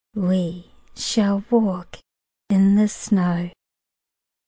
We shall walk in the snow.